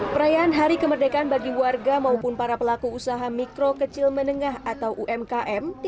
perayaan hari kemerdekaan bagi warga maupun para pelaku usaha mikro kecil menengah atau umkm di